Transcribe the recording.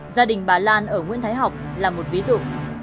gia đình bà lan ở nguyễn thái học là một ví dụ